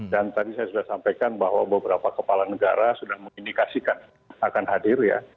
dan tadi saya sudah sampaikan bahwa beberapa kepala negara sudah memindikasikan akan hadir ya